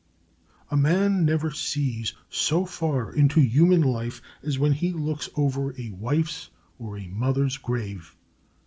A man never sees so far into human life as when he looks over a wife's or a mother's grave.